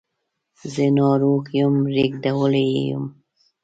زه ناروغ یم ریږدولی یې یم